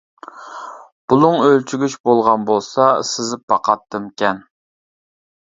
بۇلۇڭ ئۆلچىگۈچ بولغان بولسا سىزىپ باقاتتىمكەن.